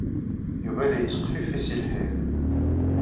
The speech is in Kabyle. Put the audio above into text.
Yuba la yetteqfifi seg lḥir.